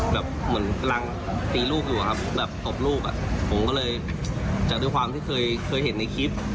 แบบเหมือนกำลังตีลูกอยู่อะครับแบบตบลูกอ่ะผมก็เลยจากด้วยความที่เคยเคยเห็นในคลิป